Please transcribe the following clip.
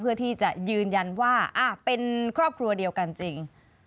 เพื่อที่จะยืนยันว่าเป็นครอบครัวเดียวกันจริง